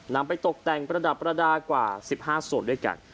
ไปตกแต่งประดับประดาษกว่า๑๕ส่วนด้วยกัน